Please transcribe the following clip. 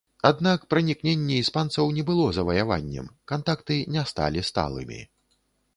Аднак пранікненне іспанцаў не было заваяваннем, кантакты не сталі сталымі.